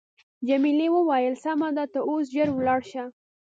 جميلې وويل: سمه ده ته اوس ژر ولاړ شه.